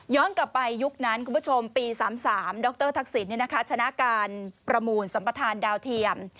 กลับไปยุคนั้นคุณผู้ชมปี๓๓ดรทักษิณชนะการประมูลสัมประธานดาวเทียม